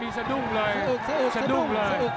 มีสะดุ้งเลยสะดุ้งเลย